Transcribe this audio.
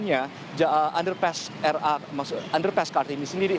penyelesaian proyek itu sendiri memang sudah berfungsi dengan underpass kartini sendiri